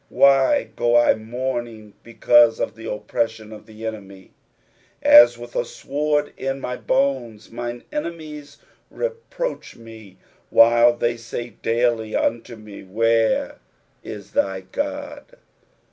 why go I mourning because of the oppression of the enemy ? 10 As with a sword in my bones, mine enemies reproach me ; while they say daily unto me, Where is thy God